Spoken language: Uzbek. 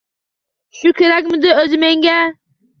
Shu kerakmidi oʻzi menga?